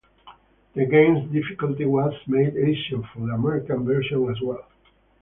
The game's difficulty was made easier for the American version as well.